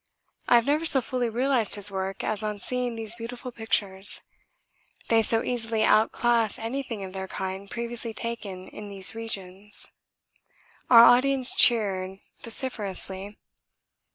I have never so fully realised his work as on seeing these beautiful pictures; they so easily outclass anything of their kind previously taken in these regions. Our audience cheered vociferously.